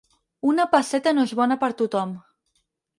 Una pesseta no és bona per tothom.